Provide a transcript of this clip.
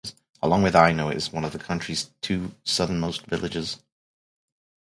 Along with Aynho it is one of the county's two southernmost villages.